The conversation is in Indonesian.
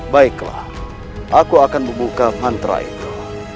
baiklah aku akan membuka mantra itu